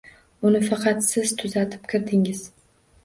Uni faqat siz tuzatib kirdingiz.